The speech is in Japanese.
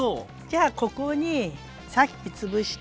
じゃあここにさっきつぶした。